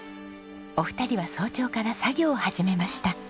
お二人は早朝から作業を始めました。